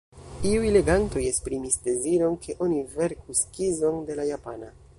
Iuj legantoj esprimis deziron ke oni verku skizon de la japana.